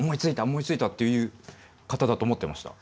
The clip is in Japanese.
思いついた！」っていう方だと思ってました。